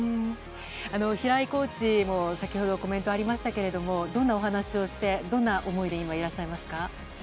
平井コーチも先程、コメントありましたがどんなお話をしてどんな思いでいらっしゃいますか。